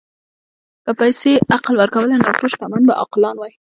که پیسې عقل ورکولی، نو ټول شتمن به عاقلان وای.